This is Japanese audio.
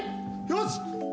よし！